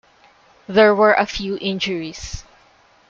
There were a few injuries.